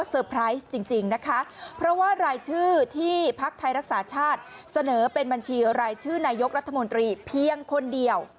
จริงนะคะเพราะว่ารายชื่อที่พักไทยรักษาชาติเสนอเป็นบัญชีรายชื่อนายกรัฐมนตรีเพียงคนเดียว